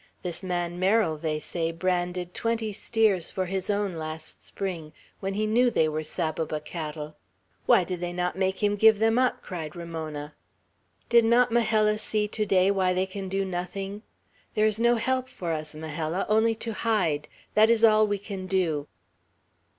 This man Merrill, they say, branded twenty steers for his own, last spring, when he knew they were Saboba cattle!" "Why did they not make him give them up?" cried Ramona. "Did not Majella see to day why they can do nothing? There is no help for us, Majella, only to hide; that is all we can do!"